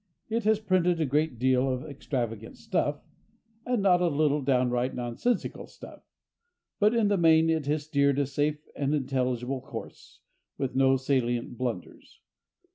It has printed a great deal of extravagant stuff, and not a little downright nonsensical stuff, but in the main it has steered a safe and intelligible course, with no salient blunders.